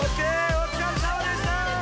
お疲れさまでした！